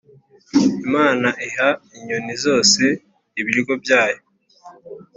imana iha inyoni zose ibiryo byayo,